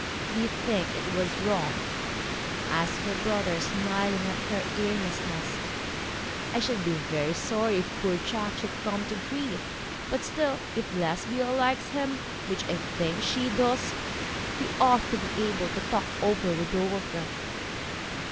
'Do you think it was wrong?' asked her brother, smiling at her earnestness. 'I should be very sorry if poor Jack should come to grief. But still, if Lesbia likes him which I think she does we ought to be able to talk over the dowager.'